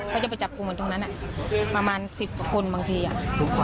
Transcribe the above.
เขาจะไปจับกลุ่มเหมือนตรงนั้นประมาณ๑๐คนบางทีอ่ะ